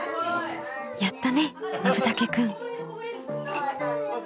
やったねのぶたけくん。